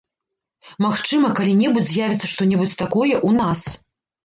Магчыма, калі-небудзь з'явіцца што-небудзь такое ў нас.